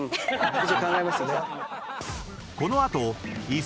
一応考えますね。